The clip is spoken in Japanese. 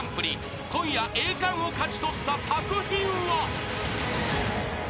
［今夜栄冠を勝ち取った作品は］